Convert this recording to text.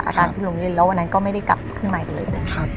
อาการซุดลงเรื่อยแล้ววันนั้นก็ไม่ได้กลับขึ้นมาอีกเลยครับ